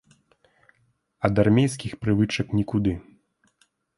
Ад армейскіх прывычак нікуды.